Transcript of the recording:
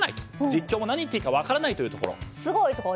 実況も何言っていいか分からないというところ。